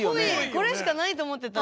これしかないと思ってた。